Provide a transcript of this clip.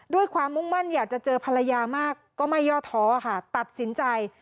ด้วยความมุ่งมั่นอยากจะเจอภรรยามากก็ไม่ย่อท้อค่ะตัดสินใจ